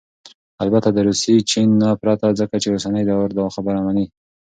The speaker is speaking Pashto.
البته دروسي ، چين ... نه پرته ، ځكه چې اوسنى دور داخبره مني